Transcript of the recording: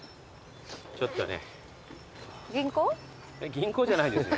銀行じゃないですよ。